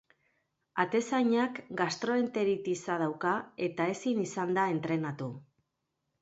Atezainak gastroenteritisa dauka ete ezin izan da entrenatu.